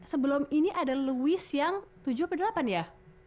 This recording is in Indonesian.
sebelum ini ada lewis yang tujuh apa delapan ya